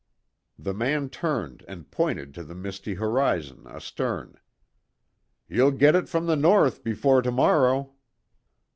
The man turned and pointed to the misty horizon, astern. "You'll get it from the north before to morrow."